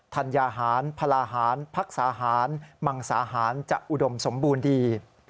ธัญญาหารพลาหารพักษาหารมังสาหารจะอุดมสมบูรณ์ดี